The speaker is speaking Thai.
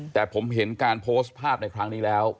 แต่ผมเห็นการโพสต์ภาพในครั้งนี้แล้ว